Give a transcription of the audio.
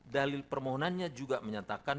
dalil permohonannya juga menyatakan